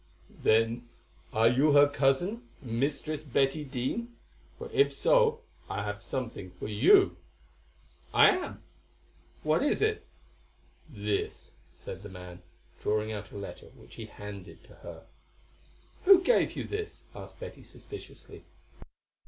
"Then are you her cousin, Mistress Betty Dene, for if so I have something for you?" "I am. What is it?" "This," said the man, drawing out a letter which he handed to her. "Who gave you this?" asked Betty suspiciously.